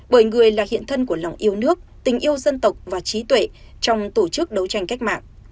bởi người là hiện thân của lòng yêu nước tình yêu dân tộc và trí tuệ trong tổ chức đấu tranh cách mạng